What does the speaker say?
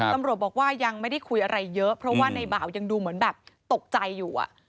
ตำรวจบอกว่ายังไม่ได้คุยอะไรเยอะเพราะว่าในบ่าวยังดูเหมือนแบบตกใจอยู่